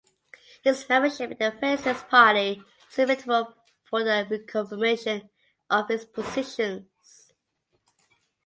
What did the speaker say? His membership in the Fascist Party was inevitable for the reconfirmation of his positions.